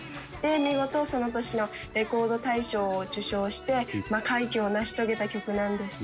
「見事その年のレコード大賞を受賞して快挙を成し遂げた曲なんです」